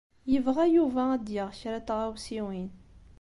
Yebɣa Yuba ad d-yaɣ kra n tɣawsiwin.